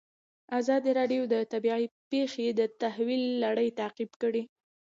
ازادي راډیو د طبیعي پېښې د تحول لړۍ تعقیب کړې.